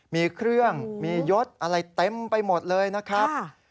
มีเครื่องมียศอะไรเต็มไปหมดเลยนะครับ